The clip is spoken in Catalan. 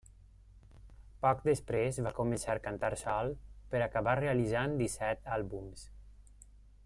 Poc després va començar cantar sol per acabar realitzant disset àlbums.